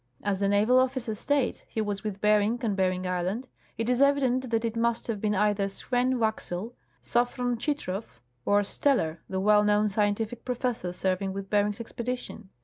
As the naval officer states he was with Bering on Bering island, it is evident that it must have been either Swen Wax el, Sophron Chitrow, or Steller, the well known scientific professor serving with Bering's expedition.